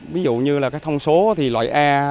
ví dụ như là các thông số thì loại a